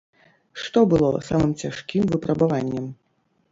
Што было самым цяжкім выпрабаваннем?